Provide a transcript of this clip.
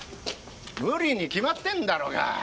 無理に決まってんだろうが！